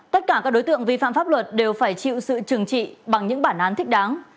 tất cả các đối tượng vi phạm pháp luật đều phải chịu sự trừng trị bằng những bản án thích đáng